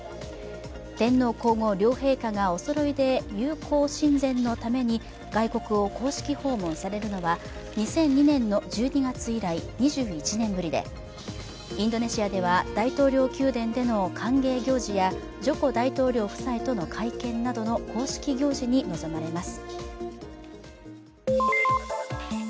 天皇皇后両陛下がおそろいで友好親善のために外国を公式訪問されるのは２００２年の１２月以来、２１年ぶりでインドネシアでは大統領宮殿での歓迎行事やジョコ大統領夫妻との会見などの公式行事に臨まれます。